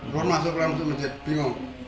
lalu masuk ke masjid bingung